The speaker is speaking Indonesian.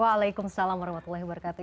waalaikumsalam warahmatullahi wabarakatuh